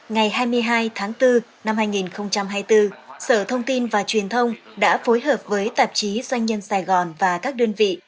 ngày hai mươi hai tháng bốn năm hai nghìn hai mươi bốn sở thông tin và truyền thông đã phối hợp với tạp chí doanh nhân sài gòn và các đơn vị